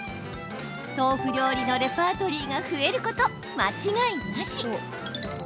豆腐料理のレパートリーが増えること間違いなし。